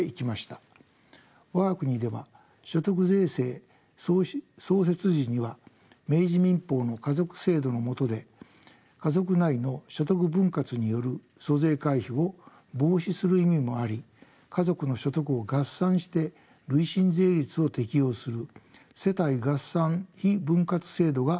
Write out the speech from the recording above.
我が国では所得税制創設時には明治民法の家族制度の下で家族内の所得分割による租税回避を防止する意味もあり家族の所得を合算して累進税率を適用する世帯合算非分割制度がとられてきました。